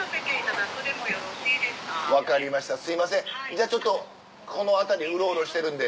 じゃあちょっとこの辺りでうろうろしてるんで。